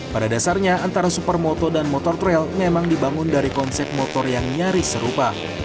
pada dasarnya antara supermoto dan motor trail memang dibangun dari konsep motor yang nyaris serupa